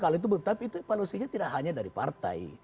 kalau itu tapi itu evaluasinya tidak hanya dari partai